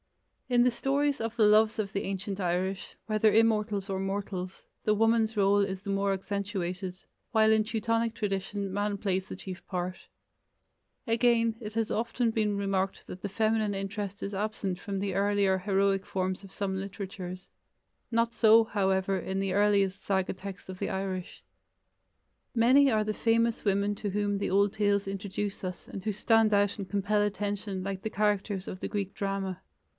In the stories of the loves of the ancient Irish, whether immortals or mortals, the woman's role is the more accentuated, while in Teutonic tradition man plays the chief part. Again, it has often been remarked that the feminine interest is absent from the earlier heroic forms of some literatures. Not so, however, in the earliest saga texts of the Irish. Many are the famous women to whom the old tales introduce us and who stand out and compel attention like the characters of the Greek drama.